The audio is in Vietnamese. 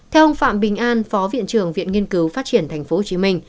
theo ông phạm bình an phó viện trưởng viện nghiên cứu phát triển tp hcm